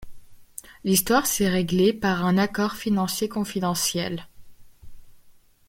L'histoire s'est réglée par un accord financier confidentiel.